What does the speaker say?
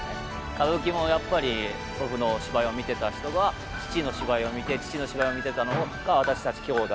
歌舞伎もやっぱり祖父の芝居を見てた人が父の芝居を見て父の芝居を見てたのが私たち兄弟。